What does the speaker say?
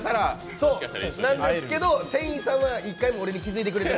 そうなんですけど、店員さんは一回も俺に気づいてくれない。